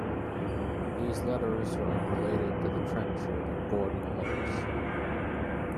These letters are unrelated to the Trenchard and Gordon letters.